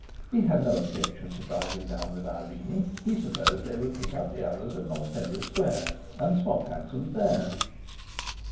He had no objection to driving down with Irene. He supposed they would pick up the others at Montpellier Square, and swop hansoms there?